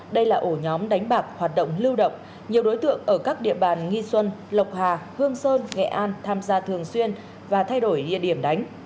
đây là ổ nhóm đánh bạc hoạt động lưu động nhiều đối tượng ở các địa bàn nghi xuân lộc hà hương sơn nghệ an tham gia thường xuyên và thay đổi địa điểm đánh